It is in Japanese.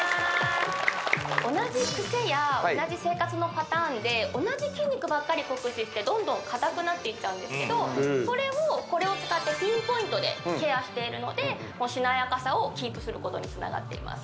同じクセや同じ生活のパターンで同じ筋肉ばかり酷使してどんどんかたくなっていっちゃうんですけどそれをこれを使ってピンポイントでケアしているのでしなやかさをキープすることにつながっています